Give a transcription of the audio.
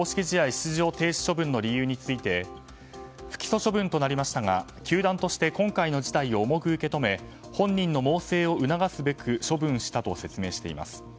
出場停止処分の理由について不起訴処分となりましたが球団として、今回の事態を重く受け止め本人の猛省を促すべく処分したと説明しています。